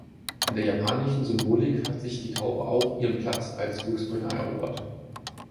In der japanischen Symbolik hat sich die Taube auch ihren Platz als Glücksbringer erobert.